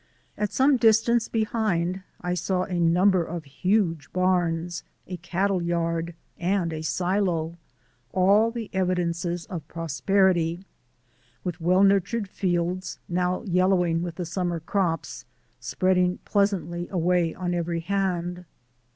At some distance behind I saw a number of huge barns, a cattle yard and a silo all the evidences of prosperity with well nurtured fields, now yellowing with the summer crops, spreading pleasantly away on every hand.